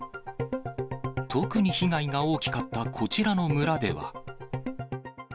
特に被害が大きかったこちらの村では。